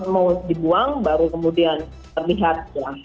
mau dibuang baru kemudian terlihat